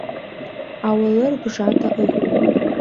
Ауалыр бжата ыҟоуп.